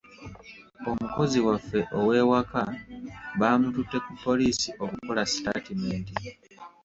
Omukozi waffe ow’ewaka baamututte ku poliisi okukola sitatimenti.